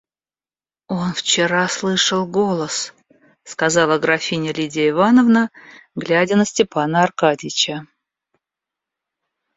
Он вчера слышал голос, — сказала графиня Лидия Ивановна, глядя на Степана Аркадьича.